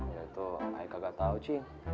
ya itu saya kagak tau cing